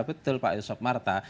betul pak yusof marta